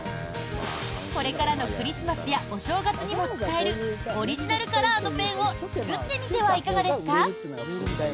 これからのクリスマスやお正月にも使えるオリジナルカラーのペンを作ってみてはいかがですか？